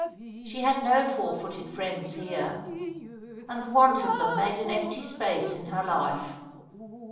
She had no four footed friends here; and the want of them made an empty space in her life.